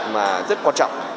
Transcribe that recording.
mà rất quan trọng